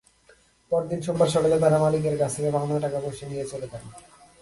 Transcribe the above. পরদিন সোমবার সকালে তাঁরা মালিকের কাছ থেকে পাওনা টাকাপয়সা নিয়ে চলে যান।